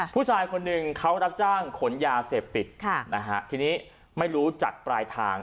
ผู้ชายคนหนึ่งเขารับจ้างขนยาเสพติดทีนี้ไม่รู้จากปลายทาง